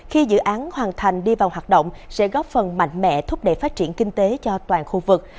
khi dự án hoàn thành đi vào hoạt động sẽ góp phần mạnh mẽ thúc đẩy phát triển kinh tế cho toàn khu vực